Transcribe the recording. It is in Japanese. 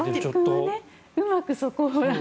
うまくそこを。